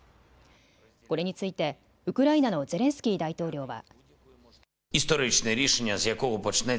これについてウクライナのゼレンスキー大統領は。